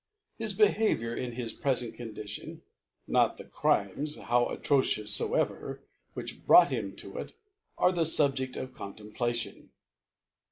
His Behaviour in his prefent Condition, not the CrimeSi how atrocious foever, which brought him to it, are the Subjeifl of Contemplation.